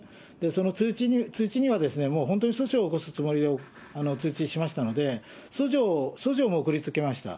その通知にはもう本当に訴訟を起こすつもりで通知しましたので、訴状も送りつけました。